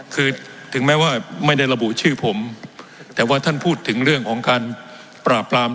คือถึงแม้ว่าไม่ได้ระบุชื่อผมแต่ว่าท่านพูดถึงเรื่องของการปราบปราม